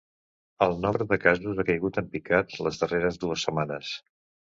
El nombre de casos ha caigut en picat les darreres dues setmanes.